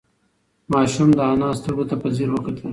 ماشوم د انا سترگو ته په ځير وکتل.